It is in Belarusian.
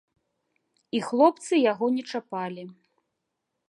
І хлопцы яго не чапалі.